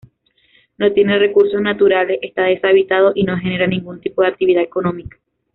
No tiene recursos naturales, está deshabitado, y no genera ningún tipo de actividad económica.